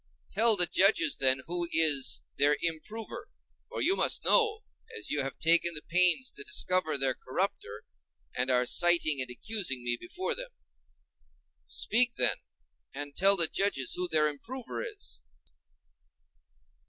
Tell the judges, then, who is their improver; for you must know, as you have taken the pains to discover their corrupter, and are citing and accusing me before them. Speak, then, and tell the judges who their improver is.